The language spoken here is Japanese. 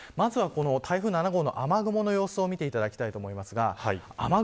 まずは台風７号の雨雲の様子を見ていきたいと思います。